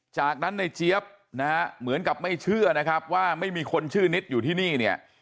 จากนั้นในเจี๊ยบนะฮะเหมือนกับไม่เชื่อนะครับว่าไม่มีคนชื่อนิดอยู่ที่นี่เนี่ย